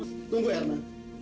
tunggu ya ma